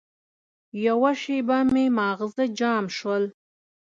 یوه شېبه مې ماغزه جام شول.